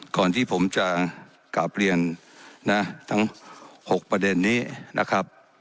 ก่อนที่ผมจะกลับเรียนนะทั้ง๖ประเด็นนี้นะครับ